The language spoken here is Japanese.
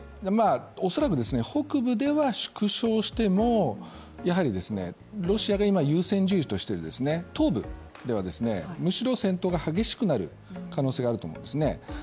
おそらく北部では縮小しても、やはりロシアの優先順位として東部ではむしろ戦闘が激しくなる可能性があると思うんです。